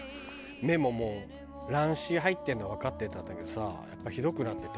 目ももう乱視入ってるのはわかってたんだけどさやっぱひどくなってて。